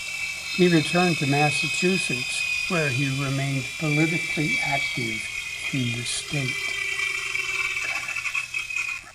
He returned to Massachusetts, where he remained politically active in the state.